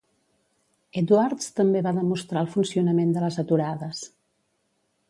Edwards també va demostrar el funcionament de les aturades.